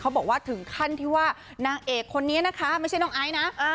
บอกว่าถึงขั้นที่ว่านางเอกคนนี้นะคะไม่ใช่น้องไอซ์นะ